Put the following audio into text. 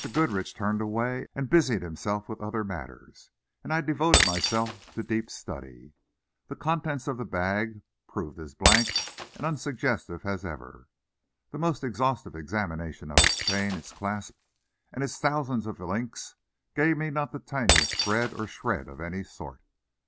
Goodrich turned away and busied himself about other matters, and I devoted myself to deep study. The contents of the bag proved as blank and unsuggestive as ever. The most exhaustive examination of its chain, its clasp and its thousands of links gave me not the tiniest thread or shred of any sort.